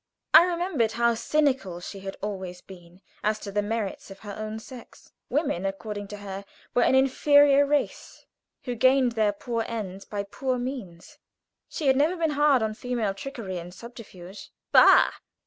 I remembered how cynical she had always been as to the merits of her own sex. Women, according to her, were an inferior race, who gained their poor ends by poor means. She had never been hard upon female trickery and subterfuge. Bah!